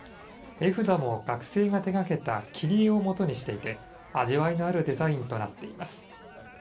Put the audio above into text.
絵札も学生が手がけた切り絵をもとにしていて、味わいのあるデザインとなっています。